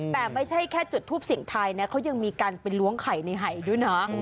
แต่ไม่ใช่แค่จุดทูปเสียงไทยนะเขายังมีการไปล้วงไข่ในหายด้วยนะ